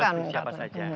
bebas untuk siapa saja